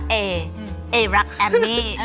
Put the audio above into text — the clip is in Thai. ซึ่งดูแล้ว